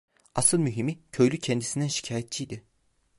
Asıl mühimi, köylü kendisinden şikayetçiydi.